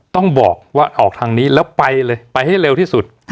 ต้องบอกว่าออกทางนี้แล้วไปเลยไปให้เร็วที่สุด